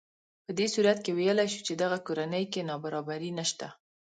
په دې صورت کې ویلی شو چې دغه کورنۍ کې نابرابري نهشته